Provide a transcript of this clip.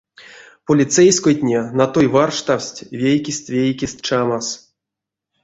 Полицейскойтне натой варштавсть вейкест-вейкест чамас.